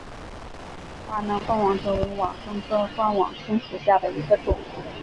华南冠网椿为网蝽科冠网蝽属下的一个种。